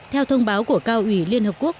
theo thông báo của cao ủy liên hợp quốc